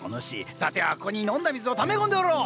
さてはここに飲んだ水をため込んでおろう！